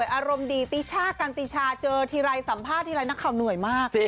อารมณ์ดีติช่ากันติชาเจอทีไรสัมภาษณ์ทีไรนักข่าวเหนื่อยมาก